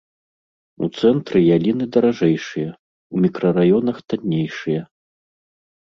У цэнтры яліны даражэйшыя, у мікрараёнах таннейшыя.